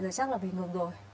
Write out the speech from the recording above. giờ chắc là bị ngừng rồi